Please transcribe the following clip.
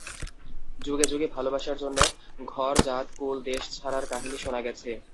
যুগে যুগে ভালোবাসার জন্য ঘর, জাত, কুল, দেশ ছাড়ার কাহিনি শোনা গেছে।